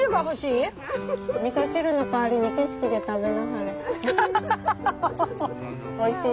味噌汁の代わりに景色で食べなはれ。